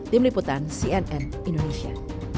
tim liputan cnn indonesia